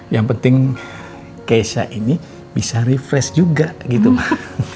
yang penting kesya ini bisa refresh juga gitu mak